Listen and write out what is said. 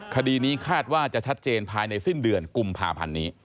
คดีนี้คาดว่าจะชัดเจนภายในสิ้นเดือนกุมภาพันธ์นี้